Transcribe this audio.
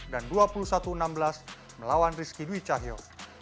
dua puluh satu dua belas dan dua puluh satu enam belas melawan rizky dwi cahyo